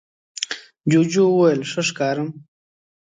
جوجو وویل ښه ښکارم؟